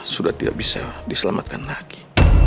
sudah tidak bisa diselamatkan lagi